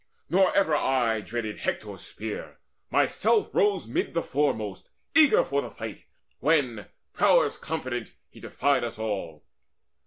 Nor ever I dreaded Hector's spear; myself Rose mid the foremost, eager for the fight, When, prowess confident, he defied us all.